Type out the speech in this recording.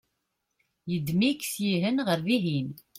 yeddem-ik syihen ɣer dihin